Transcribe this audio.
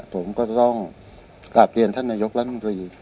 ผมก็จะต้องกลับเรียนท่านนายกรัฐมนตรี